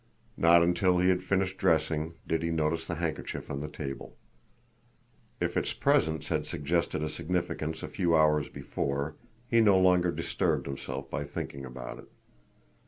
Not until he had finished dressing did he notice the handkerchief on the table. If its presence had suggested a significance a few hours before, he no longer disturbed himself by thinking about it.